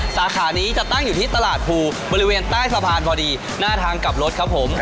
สาขานี้จะตั้งอยู่ที่ตลาดภูบริเวณใต้สะพานพอดีหน้าทางกลับรถครับผม